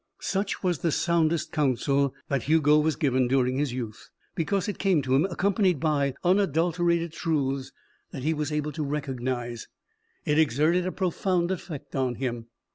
Such was the soundest counsel that Hugo was given during his youth. Because it came to him accompanied by unadulterated truths that he was able to recognize, it exerted a profound effect on him.